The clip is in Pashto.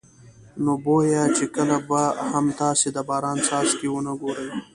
نو بویه چې کله به هم تاسې د باران څاڅکي ونه ګورئ.